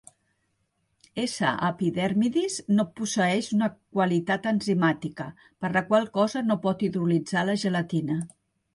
"S". epidermidis "no posseeix una qualitat enzimàtica, per la qual cosa no pot hidrolitzar la gelatina.